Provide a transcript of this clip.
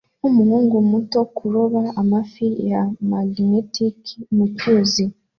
Nkumuhungu muto kuroba amafi ya magnetiki mucyuzi